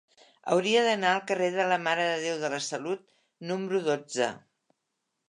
Hauria d'anar al carrer de la Mare de Déu de la Salut número dotze.